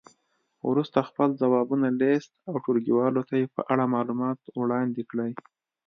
وروسته خپل ځوابونه لیست او ټولګیوالو ته یې په اړه معلومات وړاندې کړئ.